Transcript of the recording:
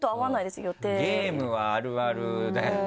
ゲームはあるあるだよね